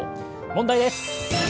問題です。